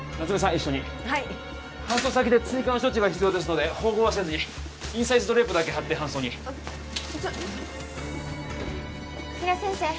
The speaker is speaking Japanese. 一緒にはい搬送先で追加の処置が必要ですので縫合はせずにインサイズドレープだけはって搬送にちょ比奈先生